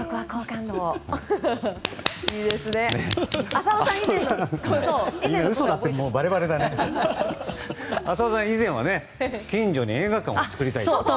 浅尾さん、以前は近所に映画館を作りたいと。